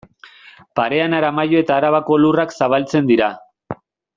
Parean Aramaio eta Arabako lurrak zabaltzen dira.